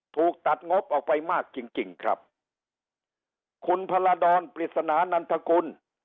ถูกตัดงบออกไปมากจริงจริงครับคุณพรดรปริศนานันทกุล